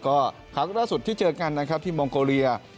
คราวคลิปสุดที่เจอกันที่โมงโกเรีย